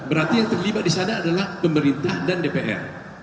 berarti yang terlibat di sana adalah pemerintah dan dpr